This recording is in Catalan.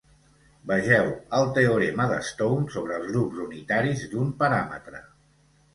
Vegeu el teorema de Stone sobre els grups unitaris d'un paràmetre.